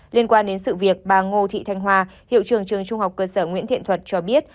liên quan đến sự việc bà ngô thị thanh hòa hiệu trường trường trung học cơ sở nguyễn thiện thuật cho biết